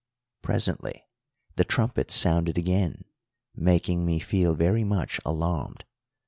Presently the trumpet sounded again, making me feel very much alarmed.